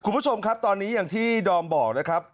คุณผู้ชมครับตอนนี้อย่างที่ดอมบอกนะครับ